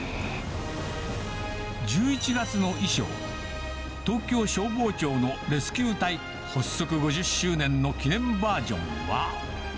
１１月の衣装、東京消防庁のレスキュー隊発足５０周年の記念バージョンは。